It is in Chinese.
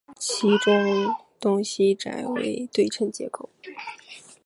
其中东西斋为对称结构。